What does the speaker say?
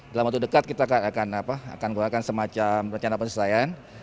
dalam waktu dekat kita akan buatkan semacam rencana penyesuaian